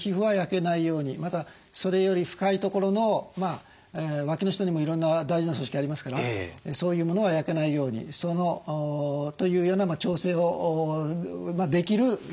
またそれより深いところのわきの下にもいろんな大事な組織ありますからそういうものは焼けないように。というような調整をできる機械なわけですね。